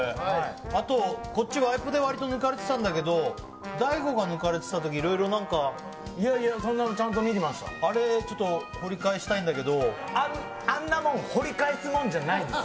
あと、こっち、ワイプで結構抜かれてたんだけど、大悟が抜かれてたとき、いろいろいやいや、そんなちゃんと見あれ、ちょっと掘り返したいあんなもん、掘り返すもんじゃないです。